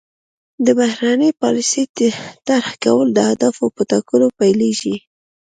د بهرنۍ پالیسۍ طرح کول د اهدافو په ټاکلو پیلیږي